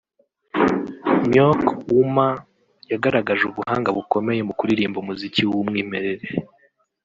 Myko Ouma yagaragaje ubuhanga bukomeye mu kuririmba umuziki w’umwimerere